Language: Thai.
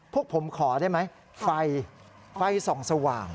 พวกผมขอได้ไหมไฟไฟส่องสว่าง